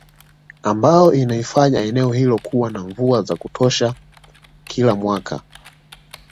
Ambayo inalifanya eneo hilo kuwa na mvua za kutosha kila mwaka